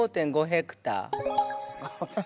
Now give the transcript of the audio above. ５．５ヘクタール。